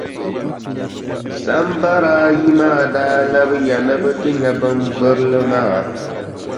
Sambara ayi maa daa labiya ni bɛ ti nya bimbirili maa.